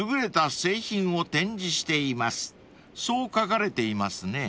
［そう書かれていますね］